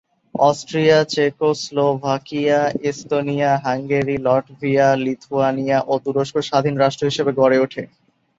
Austria, Czechoslovakia, Estonia, Hungary, Latvia, Lithuania এবং তুরস্ক স্বাধীন রাষ্ট্র হিসেবে গড়ে ওঠে।